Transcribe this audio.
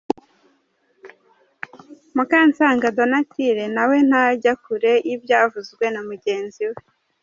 Mukansanga Donatille nawe ntajya kure y’ibyavuzwe na mugenzi we.